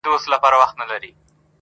• په کوهي کي پر اوزګړي باندي ویر سو -